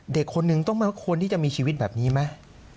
เด็กคนนึงต้องควรที่จะมีชีวิตแบบนี้ไหม